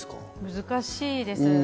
難しいです。